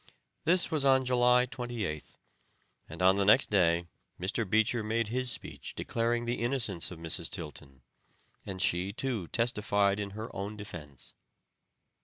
This was on July 28th, and on the next day Mr. Beecher made his speech declaring the innocence of Mrs. Tilton; and she, too, testified in her own defense.